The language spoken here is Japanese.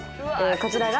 こちらが。